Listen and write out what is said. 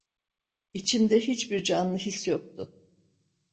İçimde hiçbir canlı his yoktu.